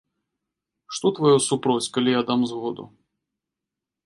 Што тваё супроць, калі я дам згоду.